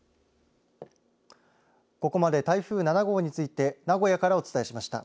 ここまで台風７号について名古屋からお伝えしました。